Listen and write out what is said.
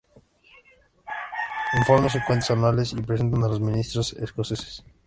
Informes y cuentas anuales se presentan a los ministros escoceses.